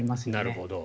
なるほど。